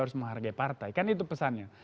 harus menghargai partai kan itu pesannya